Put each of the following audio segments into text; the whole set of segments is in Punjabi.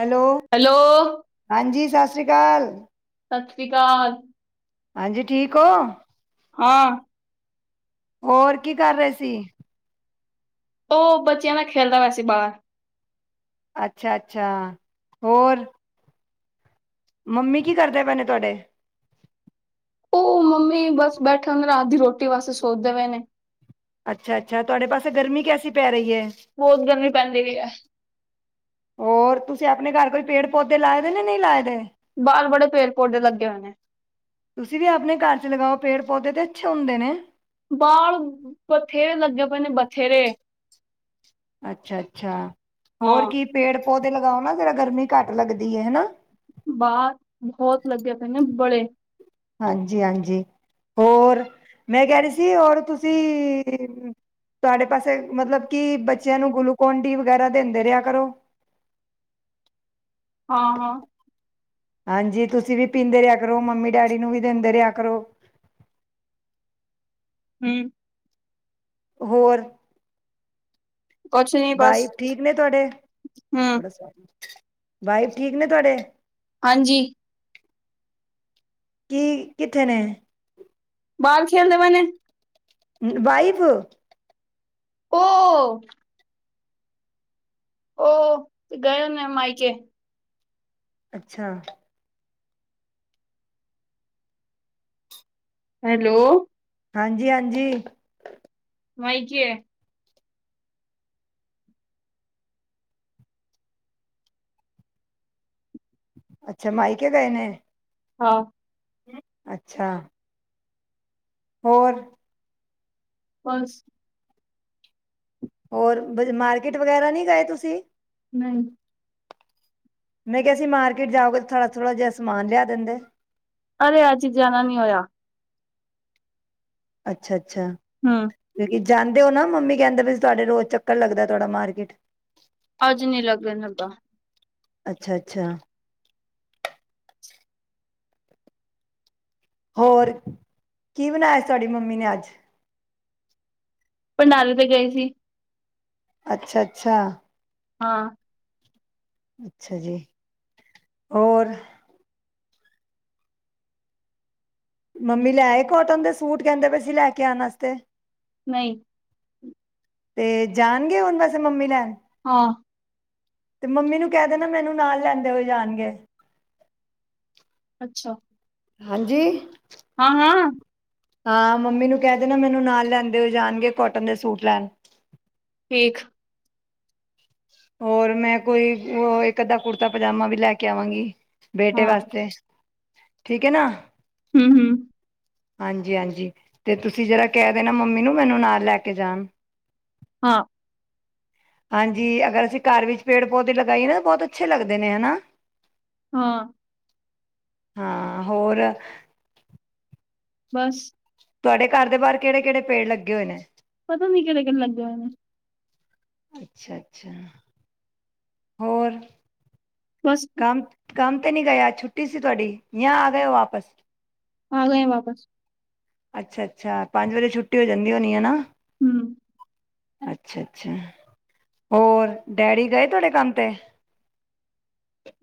ਹੈਲੋ -ਹਾਂਜੀ ਸਾਸਰੀ ਕਾਲ। ਸਸਰੀ ਕਾਲ। ਹਾਂਜੀ -ਠੀਕ ਓ। ਹਾਂ। ਹੋਰ ਕੀ ਕਰ ਰਏ ਸੀ? ਓ ਬੱਚਿਆਂ ਨਾਲ ਖੇਲਦਾ ਪਿਆ ਸੀ ਬਾਰ। ਅੱਛਾ ਅੱਛਾ। ਹੋਰ ਮੰਮੀ ਕੀ ਕਰਦੇ ਪਏ ਨੇ ਤੁਆਡੇ। ਓ- ਮੀ ਬਸ ਬੈਠਾ- ਰਾਤ ਦੀ ਰੋਟੀ ਵਾਸਤੇ ਸੋਚਦੇ ਪਏ ਨੇ ਅੱਛਾ ਅੱਛਾ ਤੁਹਾਡੇ ਪਾਸੇ ਗਰਮੀ ਕੈਸੀ ਪੈ ਰਹੀ ਹੈ ਬਹੁਤ ਗਰਮੀ ਪੈਂਦੀਈ ਹੈ ਹੋਰ ਤੁਸੀਂ ਆਪਣੇ ਘਰ ਕੋਈ ਪੇੜ ਪੌਦੇ ਲਾਏ ਦੇ ਨੇ ਨਹੀਂ ਲਾਏ ਦੇ ਬਾਲ ਬੜੇ ਪੇੜ ਪੌੜਦੇ ਲੱਗੇ ਹੋਏ ਨੇ ਤੁਸੀਂ ਵੀ ਆਪਣੇ ਘਰ ਲਗਾਓ ਪੇੜ ਪੌਦੇ ਤੇ ਅੱਛੇ ਹੁੰਦੇ ਨੇ ਬਾਲ ਬਥੇਰੇ ਲੱਗੇ ਪਏ ਨੇ ਬਥੇਰੇ ਅੱਛਾ ਅੱਛਾ ਹੋਰ ਹਾਂ। ਕੀ ਪੇੜ ਪੌਦੇ ਲਗਾਓ ਨਾ ਜਿਹੜਾ ਗਰਮੀ ਘੱਟ ਲੱਗਦੀ ਹੈ ਹਨਾ ਬਾਹਰ ਬਹੁਤ ਲੱਗੇ ਪਏ ਨੇ ਬੜੇ ਹਾਂਜੀ ਹਾਂਜੀ ਹੋਰ ਮੈਂ ਕਹਿ ਰਹੀ ਸੀ ਰ ਤੁਸੀਂ ਤੁਹਾਡੇ ਪਾਸੇ ਮਤਲਬ ਕਿ ਬੱਚਿਆਂ ਨੂੰ ਗਲੂਕੋਨ ਡੀ ਵਗੈਰਾ ਦਿੰਦੇ ਰਿਹਾ ਕਰੋ ਹਾਂ ਹਾਂ ਹਾਂਜੀ ਤੁਸੀਂ ਵੀ ਪੀਂਦੇ ਰਹਾ ਕਰੋ ਮੰਮੀ ਡੈਡੀ ਨੂੰ ਵੀ ਦਿੰਦੇ ਰਿਹਾ ਕਰੋ [inaudible] ਹਮ ਹੋਰ ਕੁਛ ਨੀ ਬਾਈ ਬਸ ਠੀਕ ਨੇ ਤੁਹਾਡੇ ਹੂੰ ਬੜਾ ਸ ਬਾਈ ਠੀਕ ਨੇ ਤੁਹਾਡੇ ਹਾਂਜੀ ਕੀ ਕਿੱਥੇ ਨੇ ਬਾਹਰ ਖੇਲਦੇ ਮਣੇ ਵਾਈਵ ਉਹ ਉਹ ਤੇ ਗਏ ਨੇ ਮਈਕੇ ਅੱਛਾ ਹੈਲੋ ਹਾਂਜੀ ਹਾਂਜੀ ਮਾਈ ਕਿ ਅੱਛਾ ਮਾਈਕੇ ਗਏ ਨੇ ਹਾਂ ਅੱਛਾ ਹੋਰ ਪੰਜ ਹੋਰ ਮਾਰਕੀਟ ਵਗੈਰਾ ਨਹੀਂੀ ਗਏ ਤੁਸੀਂ ਨਹੀਂ ਮੈਂ ਕਿਹਾ ਸੀ ਮਾਰਕਿਟ ਜਾਓਗੇ ਥੋੜਾ ਥੋੜ੍ਹਾ ਜਿਹਾ ਸਮਾਨ ਲਿਆ ਦਿੰਦੇ ਅਰੇ ਅੱਜ ਜਾਣਾ ਨੀ ਹੋਇਆ ਅੱਛਾ ਅੱਛਾ ਅੱਛਾ ਹੂੰ, ਕਿਉਂਕਿ ਜਾਂਦੇ ਹੋ ਨਾ ਮੰਮੀ ਕਹਿੰਦੇ ਵੀ ਤੁਹਾਡੇ ਰੋਜ਼ ਚੱਕਰ ਲੱਗਦਾ ਥੋੜਾ ਮਾਰਕੀਟ ਅੱਜ ਨੀ ਲੱਗਨ ਲੱਗਾ। ਅੱਛਾ ਅੱਛਾ। ਹੋਰ ਕੀ ਬਣਾਆ ਸ ਤਾਡੀ ਮੰਮੀ ਨੇ ਅੱਜ। ਪਡਾਂਰੇ ਤੇ ਗਏ ਸੀ। ਅੱਛਾ ਅੱਛਾ। ਹਾਂ। ਅੱਛਾ ਜੀ ਹੋਰ ਮੰਮੀ ਲੈੲ ਕੋਟਨ ਦੇ ਸੂਟ ਕੈਂਦੇ ਪੇ ਸੀ ਲੈ ਕੇ ਆਣ ਵਾਸਤੇ। ਨਈ। ਤੇ ਜਾਨਗੇਂ ਹੁਣ ਵੈਸੇ ਮੰਮੀ ਲੈਣ। ਹਾਂ। ਤੇ ਮੰਮੀ ਨੂੰ ਕੈ ਦੇਨਾ ਮੈਨੂੰ ਨਾਲ ਲੈਂਦੇ ਹੋਏ ਜਾਣਗੇ। ਅੱਛਾ। ਹਾਂਜੀ। ਹਾਂ ਹਾਂ। ਹਾਂ ਮੰਮੀ ਨੂੰ ਕੈ ਦੇਨਾ ਮੈਨੂੰ ਨਾਲ ਲੈਂਦੇ ਹੋੲ ਜਾਨਗੇਂ ਕੋਟਨ ਦੇ ਸੂਟ ਲੈਣ। ਠੀਕ। ਹੋਰ ਮੈਂ ਕੋਈ ਊ ਇੱਕ ਅੱਧਾ ਕੁੜਤਾ ਪਜਾਮਾ ਵੀ ਲੈ ਕੇ ਆਵਾਂਗੀ। ਬੇਟੇ ਹਾਂ ਵਾਸਤੇ। ਠੀਕ ਏ ਨਾ। ਹੂੰ ਹੂੰ। ਹਾਂਜੀ ਹਾਂਜੀ, ਤੇ ਤੁਸੀਂ ਜਿਰਾ ਕੈ ਦੇਣਾ ਮੰਮੀ ਨੂੰ ਮੈਨੂੰ ਨਾਲ ਲੈ ਕੇ ਜਾਣ। ਹਾਂ। ਹਾਂਜੀ ਅਗਰ ਅਸੀਂ ਕੱਰ ਵਿੱਚ ਪੇੜ ਪੌਦੇ ਲਗਾਈਏ ਨਾ ਬਹੁਤ ਅੱਛੇ ਲੱਗਦੇ ਨੇ ਹਨਾ। ਹਾਂ। ਹਾਂ ਹੋਰ ਬਸ। ਤੁਵਾਡੇ ਕੱਰ ਦੇ ਬਾਰ ਕੇੜੇ ਕੇੜੇ ਪੇੜ ਲੱਗੇ ਹੋਏ ਨੇ ਪਤਾ ਨੀ ਕੇੜੇ ਕੇੜੇ ਲੱਗੇ ਹੋਏ ਨੇ। ਅੱਛਾ ਅੱਛਾ। ਹੋਰ। ਬਸ ਕਾਮ ਕਾਮ ਤੇ ਨੀ ਗਏ ਅਜ ਛੁੱਟੀ ਸੀ ਤੁਵਾਡੀ ਯਾਂ ਆ ਗਏ ਓ ਵਾਪਸ। ਆ ਗਏ ਵਾਪਸ। ਅੱਛਾ ਅੱਛਾ, ਪੰਜ ਵਜੇ ਛੁੱਟੀ ਹੋ ਜਾਂਦੀ ਹੋਣੀ ਹੈ ਨਾ। ਹੂੰ। ਅੱਛਾ ਅੱਛਾ, ਹੋਰ ਡੈਡੀ ਗਏ ਤੁਆਡੇ ਕੰਮ ਤੇ।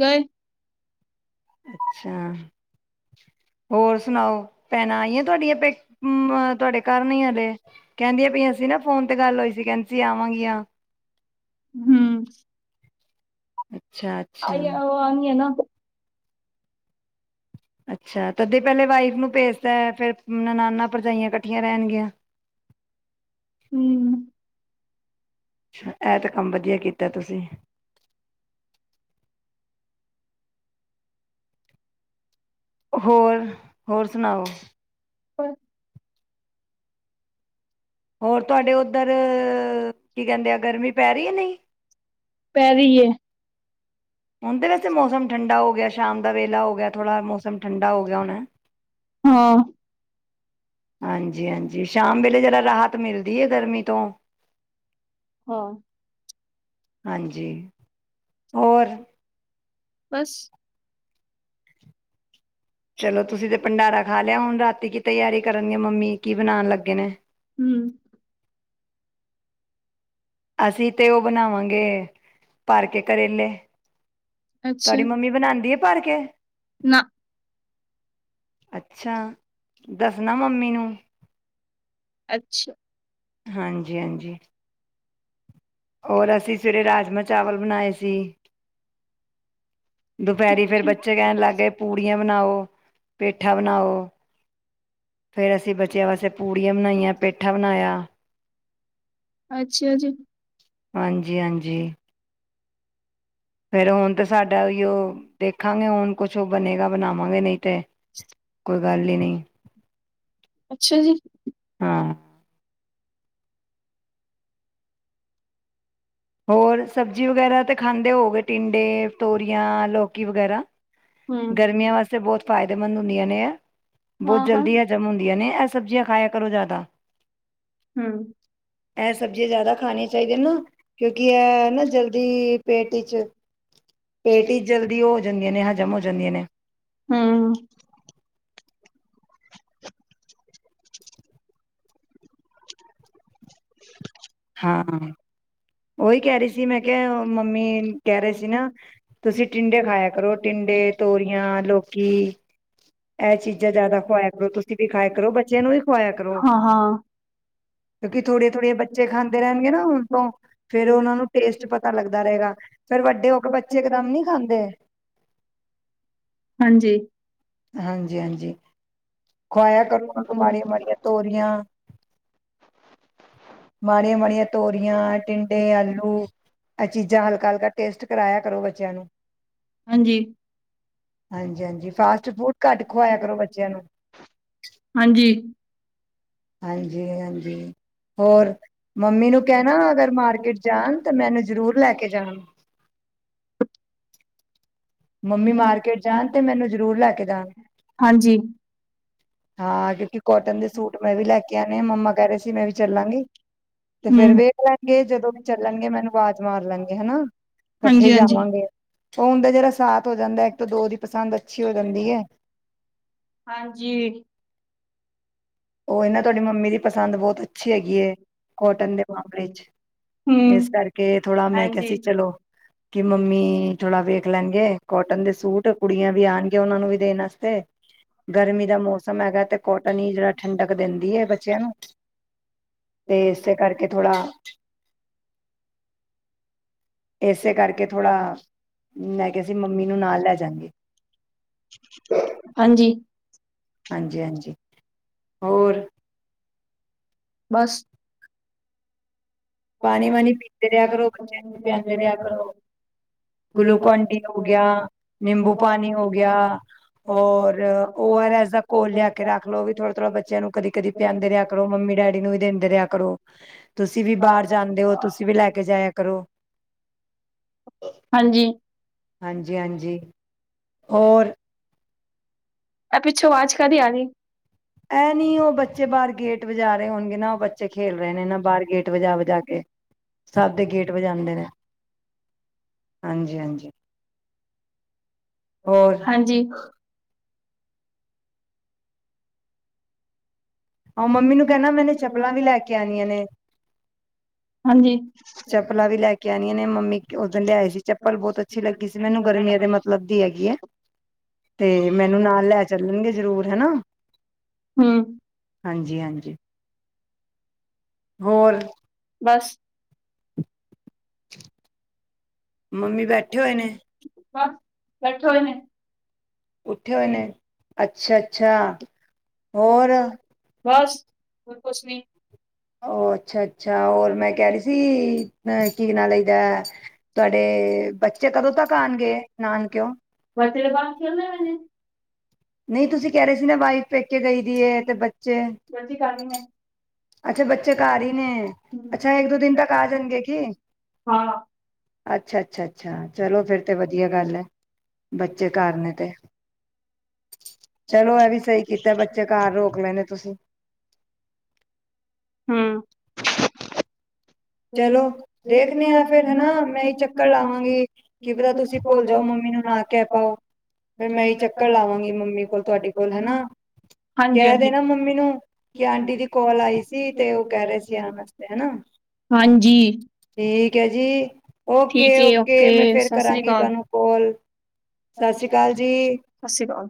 ਗਏ। ਅੱਛਾ, ਹੋਰ ਸੁਣਾਓ ਭੈਣਾਂ ਆਈਆਂ ਤੁਆਡੀਅ ਹੂੰ ਤੁਵਾਡੇ ਕਰਨੀ ੲ ਅਲੇ ਕੈਂਦੀਆਂ ਪੀਆਂ ਸੀਂ ਨਾ ਫੋਨ ਤੇ ਗੱਲ ਹੋਈ ਸੀ ਕੈਂਦੀ ਸੀ ਆਵਾਗਿਆਂ। ਹੂੰ। ਅੱਛਾ-ਅੱਛਾ। [unintelligible] ਊ ਆਨੰਗਿਆਂ ਨਾ ਅੱਛਾ। ਤਦੇ ਪੈਲੇ ਵਾਈਫ ਨੂੰ ਭੇਜ ਤੇ ਫੇਿਰ ਨਨਾਨਾ ਭਰਜਾਈਆਂ ਇਕੱਠੀਆਂ ਰਹਿਣਗੀਆਂ ਹਮ ਅੱਛਾ ਇਹ ਤਾਂ ਕੰਮ ਵਧੀਆ ਕੀਤਾ ਤੁਸੀਂ ਹੋਰ ਹੋਰ ਸੁਣਾਓ ਪਰ ਹੋਰ ਤੁਹਾਡੇ ਉੱਧਰ ਕੀ ਕਹਿੰਦੇ ਆ ਗਰਮੀ ਪੈ ਰਹੀ ਹੈ ਨਹੀਂ ਪੈ ਰਹੀ ਹੈ ਉਹਦੇ ਵਸਤੇ ਮੌਸਮ ਠੰਡਾ ਹੋਵੇ ਹੋ ਗਿਆ ਸ਼ਾਮ ਦਾ ਵੇਹਲਾ ਹੋ ਗਿਆ ਥੋੜ੍ਹਾ ਮੌਸਮ ਠੰਡਾ ਹੋ ਗਿਆ ਹੁਣ ਹਾਂ ਹਾਂਜੀ -ਹਾਂਜੀ ਸ਼ਾਮ ਵੇਲੇ ਜਰਾ ਰਾਹਤ ਮਿਲਦੀ ਹੈ ਗਰਮੀ ਤੋਂ ਹਾਂ ਹਾਂਜੀ ਹੋਰ ਬਸ ਚਲੋ ਤੁਸੀਂ ਤੇ ਭੰਡਾਰਾ ਖਾ ਲਿਆ ਹੁਣ ਰਾਤੀ ਕੀ ਤਿਆਰੀ ਕਰਨਗੇ ਮੰਮੀ ਕੀ ਬਣਾਣ ਲੱਗੇ ਨੇ। ਹੂੰ ਅਸੀਂ ਤੇ ਉਹ ਬਣਾਵਾਂਗੇ ਭਰ ਕੇ ਕਰੇਲੇ ਅੱਛਾ ਤੁਹਾਡੀ ਮੰਮੀ ਬਣਾਦੀ ਏ। ਭਰ ਕੇ ਨਾ ਅੱਛਾ ਦੱਸਣਾ ਮੰਮੀ ਨੂੰ ਅੱਛਾ ਹਾਂਜੀ -ਹਾਂਜੀ ਔਰ ਅਸੀਂ ਸਵੇਰੇ ਰਾਜਮਾ ਚਾਵਲ ਬਣਾਏ ਸੀ। ਦੁਪਹਿਰੀ ਫੇਰ ਬੱਚੇ ਕਹਿਣ ਲੱਗ ਗਏ ਪੂੜੀਆਂ ਬਣਾਓ ਪੇਠਾ ਬਣਾਓ ਫਿਰ ਅਸੀਂ ਬੱਚਿਆਂ ਵਾਸਤੇ ਪੂੜੀਆਂ ਬਣਾਈਆਂ ਪੇਠਾ ਬਣਾਇਆ। ਅੱਛਾ ਜੀ। ਹਾਂਜੀ -ਹਾਂਜੀ ਫੇਰ ਹੁਣ ਤੇ ਸਾਡਾ ਉਹ ਦੇਖਾਂਗੇ ਹੁਣ ਕੁਛ ਉਹ ਬਣੇਗਾ ਬਣਾਵਾਂਗੇ ਨਹੀਂ ਤੇ ਕੋਈ ਗੱਲ ਹੀ ਨਹੀਂ। ਅੱਛਾ ਜੀ। ਹਾਂ ਹੋਰ ਸਬਜ਼ੀ ਵਗੈਰਾ ਤੇ ਖਾਂਦੇ ਹੋਗੇ ਟਿੰਡੇ, ਤੋਰੀਆਂ, ਲੋਕ ਵਗੈਰਾ ਹੂੰ ਗਰਮੀਆਂ ਵਾਸਤੇ ਬਹੁਤ ਫਾਇਦੇਮੰਦ ਹੁੰਦੀਆਂ ਐ, ਹਾਂ ਬਹੁਤ ਹਾਂ ਜਲਦੀ ਹਜ਼ਮ ਹੁੰਦੀਆਂ ਐ। ਸਬਜ਼ੀਆਂ ਖਾਇਆ ਕਰੋ ਜ਼ਿਆਦਾ ਹੂੰ ਇਹ ਹੂੰ। ਸਬਜ਼ੀਆਂ ਜ਼ਿਆਦਾ ਖਾਣੀਆਂ ਚਾਹੀਦੀਆਂ ਨਾ। ਨਾ ਜਲਦੀ ਪੇਟ 'ਚ ਪੇਟ ਵਿਚ ਜਲਦੀ ਉਹ ਹੋ ਜਾਂਦੀਆਂ ਨੇ ਹਜ਼ਮ ਹੋ ਜਾਂਦੀਆਂ ਨੇ। ਹਾਂ ਹਾਂ ਉਹੀ ਕਹਿ ਰਹੀ ਸੀ ਮੈਂ ਕਿਹਾ ਮੰਮੀ ਕਹਿ ਰਹੇ ਸੀ ਨਾ ਤੁਸੀਂ ਟਿੰਡੇ ਖਾਇਆ ਕਰੋ ਟਿੰਡੇ ਤੋਰੀਆਂ ਲੋਕ ਕੀ ਇਹ ਚੀਜ਼ਾਂ ਜਿਆਦਾ ਖਵਾਇਆ ਕਰੋ ਤੁਸੀਂ ਵੀ ਖਾਇਆ ਕਰੋ ਬੱਚਿਆਂ ਨੂੰ ਵੀ ਖਵਾਇਆ ਕਰੋ ਹਾਂ -ਹਾਂ ਕਿਉਂਕਿ ਥੋੜੀਆਂ- ਥੋੜੀਆਂ ਬ ਬੱਚੇ ਖਾਂਦੇ ਰਹਿਣਗੇ ਨਾ ਹੁਣ ਤੋਂ ਫ਼ੇਰ ਉਹਨਾ ਨੂੰ ਟੇਸਟ ਪਤਾ ਲੱਗਦਾ ਰਹੇਗਾ ਫੇਰ ਵੱਡੇ ਹੋ ਕੇ ਬੱਚੇ ਇਕਦਮ ਨੀ ਖਾਂਦੇ। ਹਾਂਜੀ ਹਾਂਜੀ -ਹਾਂਜੀ ਖੁਕਆਇਆ ਕਰੋ। ਮਾੜੀਆਂ ਮਾੜੀਆਂ ਤੋਰੀਆਂ ਮਾੜੀਆਂ ਮਾੜੀਆਂ ਤੋਰੀਆਂ, ਟਿੰਡੇ, ਆਲੂ ਇਹ ਚੀਜ਼ਾਂ ਹਲਕਾ ਹਲਕਾ ਟੇਸਟ ਕਰਾਇਆ ਕਰੋ ਬੱਚਿਆਂ ਨੂੰ। ਹਾਂਜੀ। ਹਾਂਜੀ ਹਾਂਜੀ, ਫਾਸਟ ਫੂਡ ਘੱਟ ਖਵਾਇਆ ਕਰੋ ਬੱਚਿਆਂ ਨੂੰ। ਹਾਂਜੀ। ਹਾਂਜੀ ਹਾਂਜੀ। ਹੋਰ ਮੰਮੀ ਨੂੰ ਕਹਿਣਾ, ਅਗਰ ਮਾਰਕਿਟ ਜਾਣ ਤਾਂ ਮੈਨੂੰ ਜ਼ਰੂਰ ਲੈ ਹਾਂਜੀ। ਕੇ ਜਾਣਾ। ਮੰਮੀ ਮਾਰਕੀਟ ਜਾਣ ਤੇ ਮੈਨੂੰ ਜ਼ਰੂਰ ਲੈ ਕੇ ਜਾਣ ਹਾਂਜੀ ਹਾਂ ਕਿਉਕਿ ਕੋਟਨ ਦੇ ਸੂਟ ਮੈਂ ਵੀ ਲੈ ਕੇ ਆਣੇ ਆ। ਮੰਮਾ ਕਹਿ ਰਹੇ ਸੀ ਮੈਂ ਵੀ ਚੱਲਾਂਗੀ, ਤੇ ਹੂੰ ਫੇਰ ਵੇਖ ਲੈਣਗੇ ਜਦੋਂ ਵੀ ਚੱਲਣਗੇ ਮੈਨੂੰ ਵਾਜ਼ ਮਾਰ ਲੈਣਗੇ ਹੈਨਾ, ਇਕੱਠੇ ਹਾਂਜੀ ਹਾਂਜੀ ਜਾਵਾਂਗੇ। ਉਹ ਹੁੰਦਾ ਜਿਹੜਾ ਸਾਥ ਹੋ ਜਾਂਦਾ। ਦੋ ਦੀ ਪਸੰਦ ਅੱਛੀ ਹੋ ਜਾਂਦੀ ਹੈ। ਹਾਂਜੀ ਉਹ ਨਾ ਹੂੰ ਤੁਹਾਡੀ ਮੰਮੀ ਦੀ ਪਸੰਦ ਬਹੁਤ ਅੱਛੀ ਹੈਗੀ ਏ। ਕੋਟਨ ਦੇ ਮਾਮਲੇ ਚ ਇਸ ਕਰਕੇ ਥੋੜ੍ਹਾ ਮੈਂ ਕਿਹਾ ਹਾਂਜੀ ਸੀ ਚਲੋ। ਮੰਮੀ ਥੋੜ੍ਹਾ ਵੇਖ ਲੈਣਗੇ ਕੋਟਨ ਦੇ ਸੂਟ ਕੁੜੀਆਂ ਵੀ ਆਣਗੀਆ ਉਹਨਾਂ ਨੂੰ ਵੀ ਦੇਣ ਅਸਤੇ, ਗਰਮੀ ਦਾ ਮੌਸਮ ਹੈਗਾ ਤੇ ਕੋਟਨ ਹੀ ਜਿਹੜਾ ਠੰਡਕ ਦਿੰਦੀ ਹੈ ਬੱਚਿਆਂ ਨੂੰ ਤੇ ਇਸੇ ਕਰਕੇ ਥੋੜ੍ਹਾ ਮੈਂ ਕਿਹਾ ਸੀ ਮੰਮੀ ਨੂੰ ਨਾਲ ਲੈ ਜਾਗੇ ਹਾਂਜੀ। ਹਾਂਜੀ ਹਾਂਜੀ ਹੋਰ। ਬਸ। ਪਾਣੀ ਵਾਣੀ ਪੀਂਦੇ ਰਿਹਾ ਕਰੋ ਬੱਚਿਆਂ ਨੂੰ ਪਿਆਂਦੇ ਰਿਹਾ ਕਰੋ, ਗੁਲੂਕੋਨ ਡੀ ਹੋ ਗਿਆ, ਨਿੰਬੂ ਪਾਣੀ ਹੋ ਗਿਆ ਔਰ ਓ ਆਰ ਐਸ ਦਾ ਘੋਲ ਲਿਆ ਕੇ ਰੱਖ ਲੋ, ਓਵੀ ਥੋੜਾ- ਥੋੜਾ ਬੱਚਿਆਂ ਨੂੰ ਕਦੀ ਕ-ਦੀ ਪਿਆਂਦੇ ਰਿਹਾ ਕਰੋ, ਮੰਮੀ ਡੈਡੀ ਨੂੰ ਵੀ ਦਿੰਦੇ ਰਿਹਾ ਕਰੋ ਤੁਸੀਂ ਵੀ ਬਾਹਰ ਜਾਂਦੇ ਹੋ, ਤੁਸੀਂ ਵੀ ਲੈ ਕੇ ਜਾਇਆ ਕਰੋ। ਹਾਂਜੀ। ਹਾਂਜੀ ਹਾਂਜੀ। ਓਰ ਆ ਪਿੱਛੋਂ ਆਵਾਜ਼ ਕਾਦੀ ਆ ਰੀ। ਇਹ ਨੀ ਉਹ ਬੱਚੇ ਬਾਹਰ ਗੇਟ ਵਜਾ ਰਹੇ ਹੋਣਗੇ ਨਾ ਉਹ ਬੱਚੇ ਖੇਲ ਰਹੇ ਨੇ ਨਾ ਬਾਹਰ ਗੇਟ ਵਜਾ ਵਜਾ ਕੇ ਸਭ ਦੇ ਗੇਟ ਵਜਾਂਦੇ ਨੇ। ਹਾਂਜੀ ਹਾਂਜੀ। ਹਾਂਜੀ। ਓ ਮੰਮੀ ਨੂੰ ਕਹਿਣਾ ਮੈਨੇ ਚੱਪਲਾਂ ਵੀ ਲੈ ਕੇ ਆਣੀਆਂ ਨੇ ਹਾਂਜੀ ਚੱਪਲਾਂ ਵੀ ਲੈ ਕੇ ਆਣੀਆਂ ਨੇ, ਮੰਮੀ ਉਸ ਦਿਨ ਲਿਆਏ ਸੀ ਚੱਪਲ ਬਹੁਤ ਅੱਛੀ ਲੱਗੀ ਸੀ ਮੈਨੂੰ ਗਰਮੀਆਂ ਦੇ ਮਤਲਬ ਦੀ ਹੈਗੀ ਹੈ, ਤੇ ਮੈਨੂੰ ਨਾਲ ਲੈ ਚੱਲਣਗੇ ਜ਼ਰੂਰ ਹੈਨਾ। ਹੂੰ, ਹਾਂਜੀ ਹਾਂਜੀ। ਹੋਰ ਬਸ, [unintelligible] ਮੰਮੀ ਬੈਠੇ ਹੋਏ ਨੇ। ਬਸ ਬੈਠੇ ਹੋਏ ਨੇ। ਉੱਠੇ ਹੋਏ ਨੇ ਅੱਛਾ- ਅੱਛਾ ਹੋਰ ਬਸ ਹੋਰ ਕੁਛ ਨੀ ਉਹ ਅੱਛਾ -ਅੱਛਾ ਹੋਰ ਮੈਂ ਕਹਿ ਰਹੀ ਸੀ। ਕੀ ਨਾਂ ਲਈਦਾ ਤੁਹਾਡੇ ਬੱਚੇ ਕਦੋਂ ਤੱਕ ਆਉਣਗੇ ਨਾਨਕਿਉਂ ਫੇਰ ਬਸ ਖੇਲਦੇ ਪਏ ਨੇ ਨਹੀਂ, ਤੁਸੀਂ ਕਹਿ ਰਹੇ ਸੀ ਨਾ ਵਾਈਫ ਪੇਕੇ ਗਈ ਦੀ ਤੇ ਬੱਚੇ ਬੱਚੇ ਕਰ ਰਹੇ ਨੇ। ਅੱਛਾ, ਬੱਚੇ ਘਰ ਹੀ ਨੇ ਅੱਛਾ ਇੱਕ-ਦੋ ਦਿਨ ਤੱਕ ਆ ਜਾਣਗੇ ਕੀ ਹਾਂ, ਅੱਛਾ-ਅੱਛਾ- ਅੱਛ ਅੱਛਾ, ਚਲੋ ਫਿਰ ਤੇ ਵਧੀਆ ਗੱਲ ਹੈ ਬੱਚੇ ਘਰ ਨੇ ਤੇ ਚਲੋ, ਇਹ ਵੀ ਸਹੀ ਕੀਤਾ ਬੱਚੇ ਘਰ ਰੋਕ ਲੈਂਏ ਨੇ ਤੁਸੀ। ਹੁੰ। ਚਲੋ, ਦੇਖਨੇ ਹਾਂ ਫਿਰ ਹੈਨਾ ਮੈਂ ਇਹ ਚੱਕਰ ਲਾਵਾਂਗੀ ਕਿ ਪਤਾ ਤੁਸੀਂ ਭੁੱਲ ਜਾਓ ਮੰਮੀ ਨੂੰ ਨਾ ਕਹਿ ਪਾਓ ਫਿਰ ਮੈਂ ਇਹ ਚੱਕਰ ਲਾਵਾਂਗੀ ਮੰਮੀ ਕੋਲ, ਤੁਹਾਡੇ ਕੋਲ ਹੈਨਾ ਹਾਂਜੀ ਕਹਿ ਹਾਂਜੀ ਦੇਣਾ ਮੰਮੀ ਨੂੰ ਕਿ ਆਂਟੀ ਦੀ ਕੋਲ ਆਈ ਸੀ ਤੇ ਉਹ ਕਹਿ ਰਹੇ ਸੀ ਆਉਣ ਵਾਸਤੇ ਹੈਨਾ। ਹਾਂਜੀ ਠੀਕ ਹੈ ਜੀ, ਠੀਕ ਹੈ ਓਕੇ ਓਕੇ-ਓਕੇ ਮੈਂ ਫਿਰ ਕਰਾਂਗੀ ਤੁਹਾਨੂੰ ਕੋਲ। ਸਤਿ ਸ੍ਰੀ ਅਕਾਲ ਜੀ, ਸਤਿ ਸ੍ਰੀ ਅਕਾਲ।